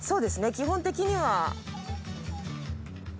基本的には。